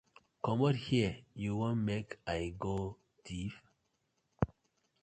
Comot here yu won mek I go thief?